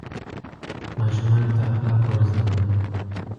ماشومانو ته اخلاق ور زده کړه.